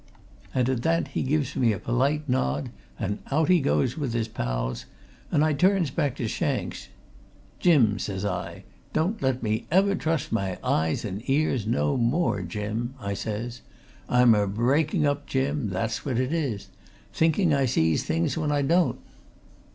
And at that he gives me a polite nod, and out he goes with his pals, and I turns back to Shanks. 'Jim!' says I. 'Don't let me ever trust my eyes and ears no more, Jim!' I says. 'I'm a breaking up, Jim! that's what it is. Thinking I sees things when I don't.'